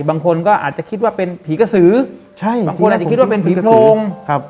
บางคนก็อาจจะคิดว่าเป็นผีกระสือใช่บางคนอาจจะคิดว่าเป็นผีโพรงครับ